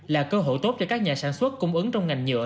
là cơ hội tốt cho các nhà sản xuất cung ứng trong ngành nhựa